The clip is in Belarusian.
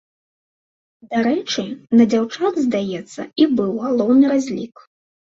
Дарэчы, на дзяўчат, здаецца, і быў галоўны разлік.